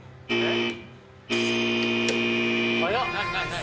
えっ！